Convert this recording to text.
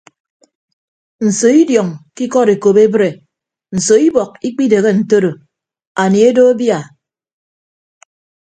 Nso idiọñ ke ikọd ekop ebre nso ibọk ikpidehe ntoro anie edo abia.